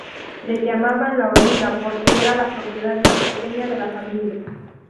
Le llamaban "La Hormiga" porque era la propiedad más pequeña de la familia.